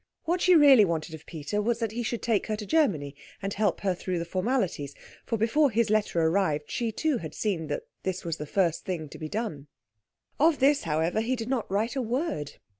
What she really wanted of Peter was that he should take her to Germany and help her through the formalities; for before his letter arrived she too had seen that that was the first thing to be done. Of this, however, he did not write a word.